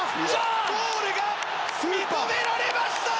ゴールが認められました！